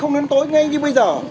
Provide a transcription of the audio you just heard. không đến tối ngay như bây giờ